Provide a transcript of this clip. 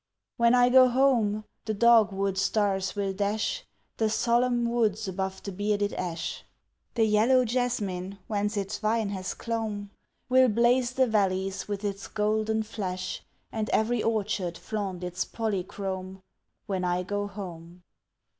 When I go home, the dogwood stars will dash The solemn woods above the bearded ash, The yellow jasmine, whence its vine hath clomb, Will blaze the valleys with its golden flash, And every orchard flaunt its polychrome, When I go home.